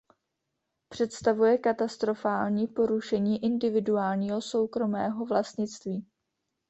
Představuje katastrofální porušení individuálního soukromého vlastnictví.